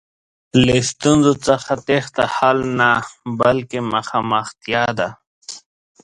له ستونزو څخه تېښته حل نه، بلکې مخامختیا ده.